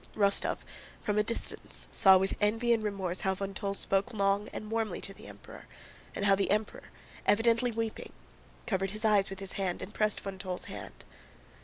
Rostóv from a distance saw with envy and remorse how von Toll spoke long and warmly to the Emperor and how the Emperor, evidently weeping, covered his eyes with his hand and pressed von Toll's hand.